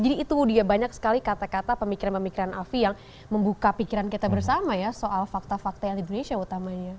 jadi itu dia banyak sekali kata kata pemikiran pemikiran afi yang membuka pikiran kita bersama ya soal fakta fakta yang di indonesia utamanya